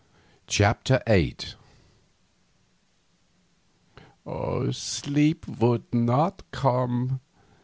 CHAPTER VIII Sleep would not come.